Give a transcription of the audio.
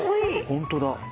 ホントだ。